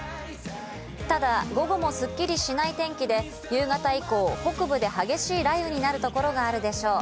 ただ午後もすっきりしない天気で、夕方以降、北部で激しい雷雨になるところがあるでしょう。